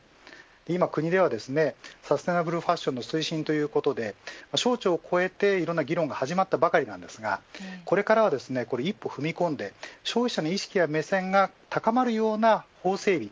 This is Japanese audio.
今、国ではサステイナブルファッションの推進ということで省庁を超えて、いろんな議論が始まったばかりなんですがこれからは一歩踏み込んで消費者の意識や目線が高まるような法整備